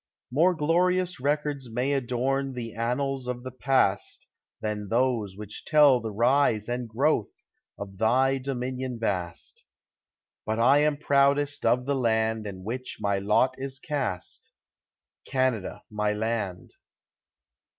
More glorious records may adorn The annals of the past Than those which tell the rise and growth Of thy dominion vast; But I am proudest of the land In which my lot is cast, Canada, my land.